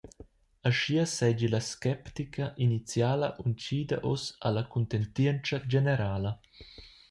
Aschia seigi la sceptica iniziala untgida uss alla cuntentientscha generala.